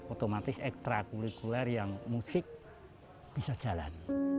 otomatis ekstra kulikuler yang musik bisa jalan